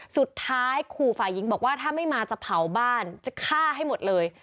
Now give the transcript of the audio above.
สุดท้ายขู่ฝ่ายหญิงบอกว่าถ้าไม่มาจะเผาบ้านจะฆ่าให้หมดเลย